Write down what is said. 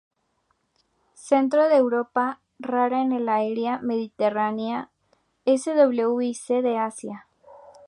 Centro de Europa, rara en el área mediterránea; S, W y C de Asia.